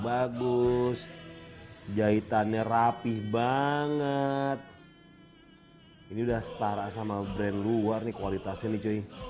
bagus jahitannya rapih banget ini udah setara sama brand luar nih kualitasnya licin